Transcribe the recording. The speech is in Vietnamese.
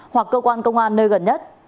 hoặc cơ quan công an nơi gần nhất